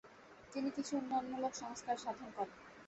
তিনি কিছু উন্নয়নমূলক সংস্কার সাধন করেন।